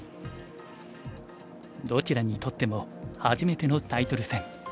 どちらにとっても初めてのタイトル戦。